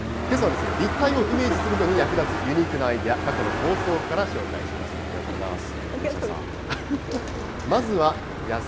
けさは立体をイメージするのに役立つユニークなアイデア、過去の放送から紹介します。